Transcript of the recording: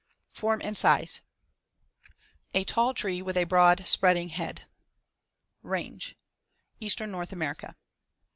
Form and size: A tall tree with a broad spreading head. Range: Eastern North America.